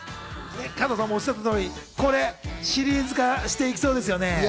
加藤さんもおっしゃったようにシリーズ化していきそうですよね。